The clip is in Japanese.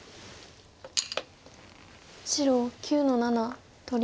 白９の七取り。